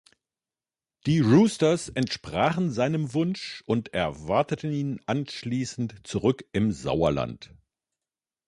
Die Roosters entsprachen seinem Wunsch und erwarteten ihn anschließend zurück im Sauerland.